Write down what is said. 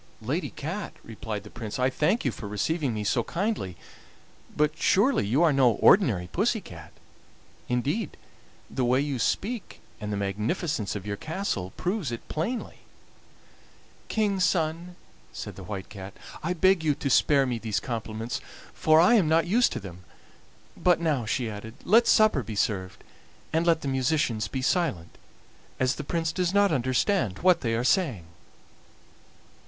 "Lady Cat," replied the Prince, "I thank you for receiving me so kindly, but surely you are no ordinary pussy cat? Indeed, the way you speak and the magnificence of your castle prove it plainly." "King's son," said the White Cat, "I beg you to spare me these compliments, for I am not used to them. But now," she added, "let supper be served, and let the musicians be silent, as the Prince does not understand what they are saying."